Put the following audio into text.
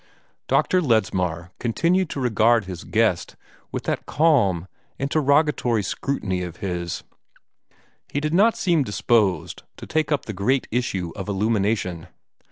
Dr. Ledsmar continued to regard his guest with that calm, interrogatory scrutiny of his. He did not seem disposed to take up the great issue of illumination.